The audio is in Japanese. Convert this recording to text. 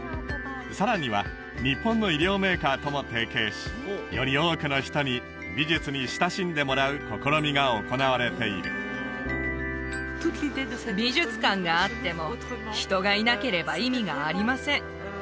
さらには日本の衣料メーカーとも提携しより多くの人に美術に親しんでもらう試みが行われている美術館があっても人がいなければ意味がありません